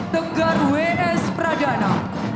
tegar ws pradana